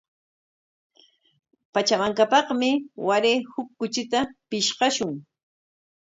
Pachamankapaqmi waray huk kuchita pishqashun.